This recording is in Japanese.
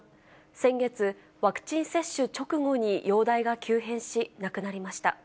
先月、ワクチン接種直後に容体が急変し、亡くなりました。